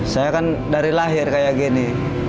saya kan dari lahir kayak gini